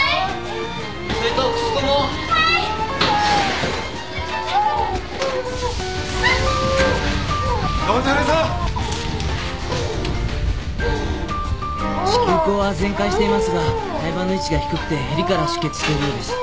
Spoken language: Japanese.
子宮口は全開していますが胎盤の位置が低くてへりから出血しているようです。